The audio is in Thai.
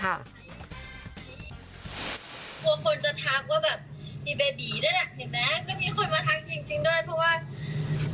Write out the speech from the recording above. กลัวคนจะทักว่าแบบมีเบบีด้วยแหละเห็นไหมก็มีคนมาทักจริงจริงด้วยเพราะว่า